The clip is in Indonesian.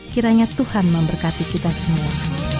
kiranya tuhan memberkati kita semua